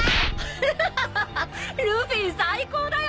フハハハルフィ最高だよ！